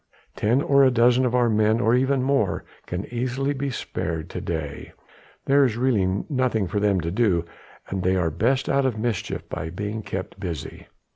Ten or a dozen of our men or even more can easily be spared to day, there is really nothing for them to do, and they are best out of mischief by being kept busy.